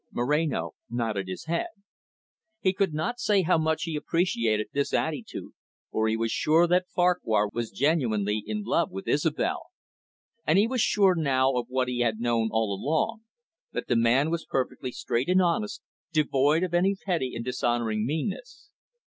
Moreno nodded his head. He could not say how much he appreciated this attitude, for he was sure that Farquhar was genuinely in love with Isobel. And he was sure now of what he had known all along, that the man was perfectly straight and honest, devoid of any petty or dishonouring meanness.